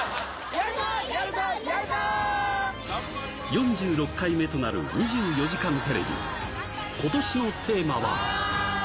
４６回目となる『２４時間テレビ』、ことしのテーマは。